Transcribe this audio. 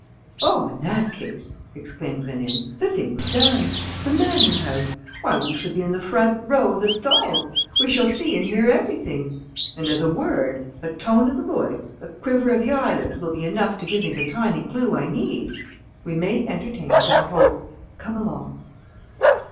"Oh, in that case," exclaimed Rénine, "the thing's done! The manor house! Why, we shall be in the front row of the stalls! We shall see and hear everything; and, as a word, a tone of the voice, a quiver of the eyelids will be enough to give me the tiny clue I need, we may entertain some hope. Come along."